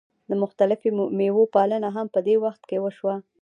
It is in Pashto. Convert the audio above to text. د مختلفو میوو پالنه هم په دې وخت کې وشوه.